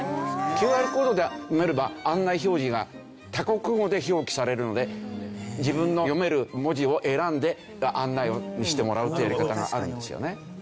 ＱＲコードが読めれば案内表示が多国語で表記されるので自分の読める文字を選んで案内をしてもらうというやり方があるんですよね。